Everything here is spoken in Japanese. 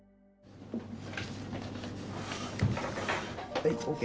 はいＯＫ。